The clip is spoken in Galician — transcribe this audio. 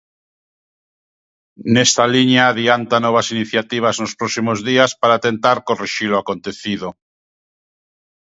Nesta liña adianta novas iniciativas nos próximos días para tentar corrixir o acontecido.